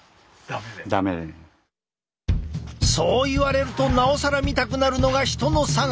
そう言われるとなおさら見たくなるのが人のさが。